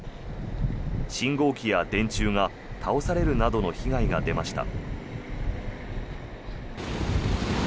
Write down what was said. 信号機や電柱が倒されるなどの被害が出ました。